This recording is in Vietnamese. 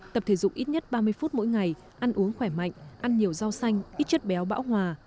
tập thể dục ít nhất ba mươi phút mỗi ngày ăn uống khỏe mạnh ăn nhiều rau xanh ít chất béo bão hòa